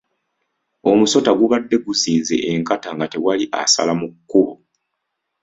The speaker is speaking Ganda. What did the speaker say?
Omusota gubadde guzinze enkata nga tewali asala mu kkubo.